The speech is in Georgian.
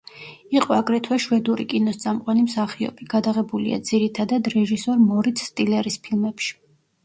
იყო აგრეთვე შვედური კინოს წამყვანი მსახიობი, გადაღებულია ძირითადად რეჟისორ მორიც სტილერის ფილმებში.